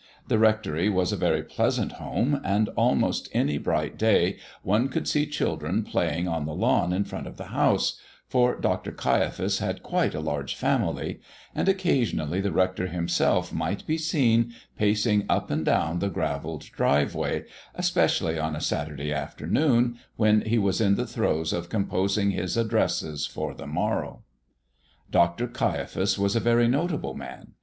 The rectory was a very pleasant home, and almost any bright day one could see children playing on the lawn in front of the house (for Dr. Caiaphas had quite a large family), and occasionally the rector himself might have been seen pacing up and down the gravelled driveway especially on a Saturday afternoon, when he was in the throes of composing his addresses for the morrow. Dr. Caiaphas was a very notable man.